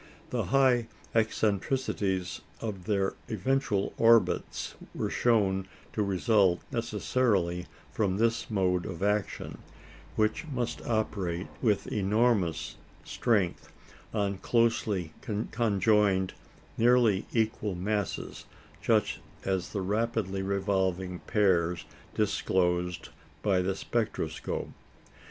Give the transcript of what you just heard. The high eccentricities of their eventual orbits were shown to result necessarily from this mode of action, which must operate with enormous strength on closely conjoined, nearly equal masses, such as the rapidly revolving pairs disclosed by the spectroscope.